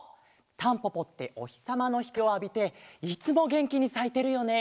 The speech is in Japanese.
タンポポっておひさまのひかりをあびていつもげんきにさいてるよね。